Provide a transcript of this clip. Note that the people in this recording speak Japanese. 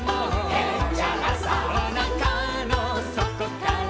「へっちゃらさ」「おなかの底から」